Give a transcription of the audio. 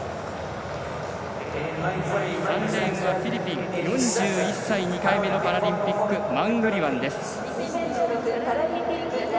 ３レーンはフィリピン４１歳、２回目のパラリンピックマングリワンです。